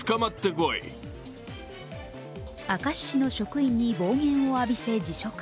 明石市の職員に暴言を浴びせ、辞職。